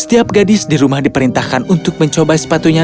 setiap gadis di rumah diperintahkan untuk mencoba sepatunya